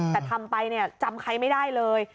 แต่ทำไปเนี่ยจำใครไม่ได้เลย